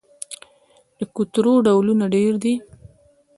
د کوترو ډولونه ډیر دي